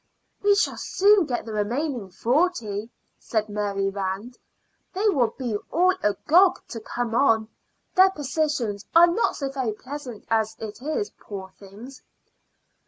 "We shall soon get the remaining forty," said Mary Rand. "They will be all agog to come on. Their positions are not so very pleasant as it is, poor things!"